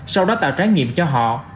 sau đó tạo trái nghiệm cho họ